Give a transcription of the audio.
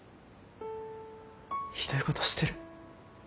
ひどいごどしてる。